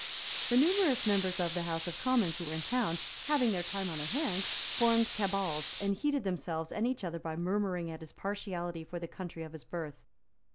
The numerous members of the House of Commons who were in town, having their time on their hands, formed cabals, and heated themselves and each other by murmuring at his partiality for the country of his birth.